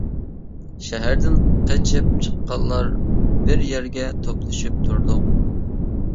شەھەردىن قېچىپ چىققانلار بىر يەرگە توپلىشىپ تۇردۇق.